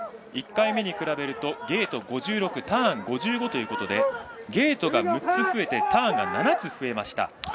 １回目に比べるとゲート５６ターン５５ということでゲートが３つ増えてターンが７つ増えました。